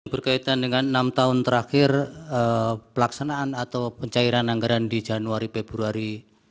berkaitan dengan enam tahun terakhir pelaksanaan atau pencairan anggaran di januari februari